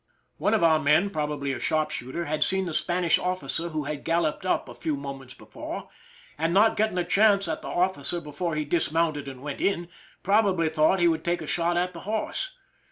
One of our men, probably a sharp shooter, had seen the Spanish officer who had galloped up a few moments before, and not getting a chance at the officer before he dismounted and went in, prob ably thought he would take a shot at the horse.